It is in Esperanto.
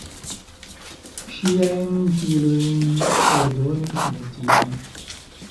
Ŝiajn filojn ordonis mortigi.